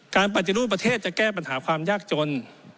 ปฏิรูปประเทศจะแก้ปัญหาความยากจน